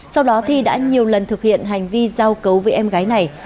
sau đó thi đã nhiều lần thực hiện hành vi giao cấu với em gái này